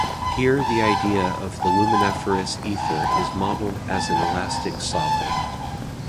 Here the idea of the luminiferous aether is modelled as an elastic solid.